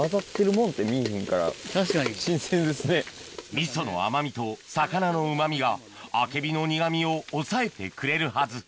味噌の甘みと魚のうまみがアケビの苦味を抑えてくれるはず